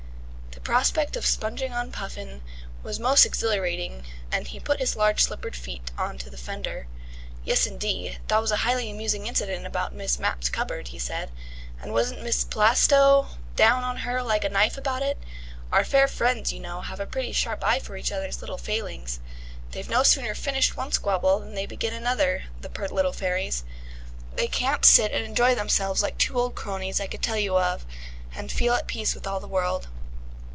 The prospect of sponging on Puffin was most exhilarating, and he put his large slippered feet on to the fender. "Yes, indeed, that was a highly amusing incident about Miss Mapp's cupboard," he said. "And wasn't Mrs. Plaistow down on her like a knife about it? Our fair friends, you know, have a pretty sharp eye for each other's little failings. They've no sooner finished one squabble than they begin another, the pert little fairies. They can't sit and enjoy themselves like two old cronies I could tell you of, and feel at peace with all the world."